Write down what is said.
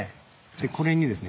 これにですね